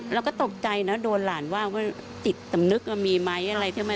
เราก็ตกใจนะโดนหลานว่าว่าจิตสำนึกว่ามีไหมอะไรใช่ไหม